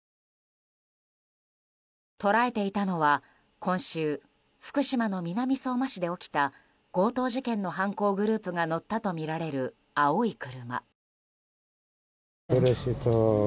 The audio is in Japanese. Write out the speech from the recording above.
捉えていたのは今週、福島の南相馬市で起きた強盗事件の犯行グループが乗ったとみられる青い車。